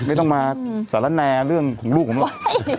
ไม่ต้องมาสารแนเรื่องของลูกผมหรอก